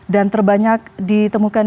dan terbanyak ditemukan